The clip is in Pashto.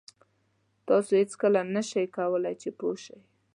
تاسو هېڅکله نه شئ کولای چې پوه شئ.